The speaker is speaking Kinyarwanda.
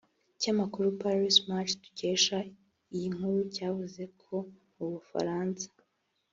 Ikinyamakuru Paris Match dukesha iyi nkuru cyavuze ko mu Bufaransa